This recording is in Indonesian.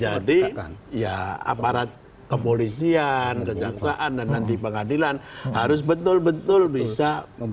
jadi ya aparat kepolisian kejaksaan dan nanti pengadilan harus betul betul bisa